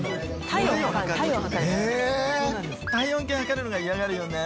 体温計測るのが嫌がるよね。